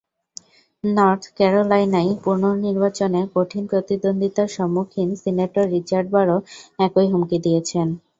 North ক্যারোলাইনায় পুনর্নির্বাচনে কঠিন প্রতিদ্বন্দ্বিতার সম্মুখীন সিনেটর রিচার্ড বারও একই হুমকি দিয়েছেন।